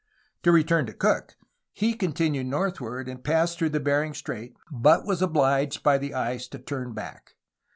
To return to Cook, he continued northward, and passed through Bering Strait, but was obliged by the ice to turn back.